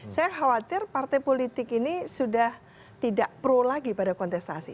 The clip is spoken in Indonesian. saya khawatir partai politik ini sudah tidak pro lagi pada kontestasi